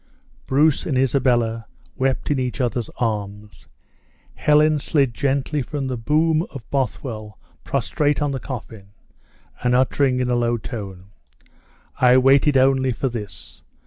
Bruce and Isabella wept in each other's arms. Helen slid gently from the boom of Bothwell prostrate on the coffin, and uttering, in a low tone: "I waited only for this!